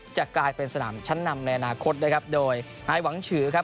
จะกลายเป็นสนามชั้นนำในอนาคตนะครับโดยนายหวังฉือครับ